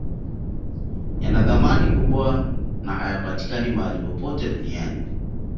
Yanathamani kubwa na hayapatikani mahali popote duniani